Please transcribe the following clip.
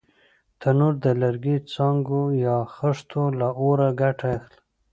تنور د لرګي، څانګو یا خښتو له اوره ګټه اخلي